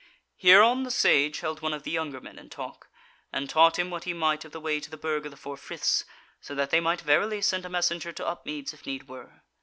Hereon the Sage held one of the younger men in talk, and taught him what he might of the way to the Burg of the Four Friths, so that they might verily send a messenger to Upmeads if need were.